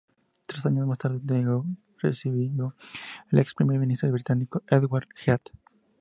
Tres años más tarde, Deng recibió al ex primer ministro británico Edward Heath.